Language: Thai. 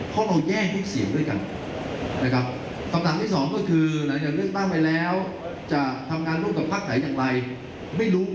เพราะเราแยกทุกเสียงด้วยกันนะครับ